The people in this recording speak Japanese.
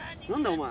お前。